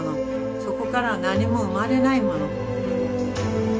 そこからは何も生まれないもの。